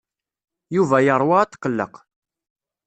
Yuba yeṛwa atqelleq.